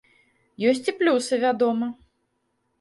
Ёсць і плюсы, вядома.